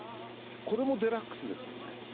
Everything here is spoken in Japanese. これもデラックスですよね。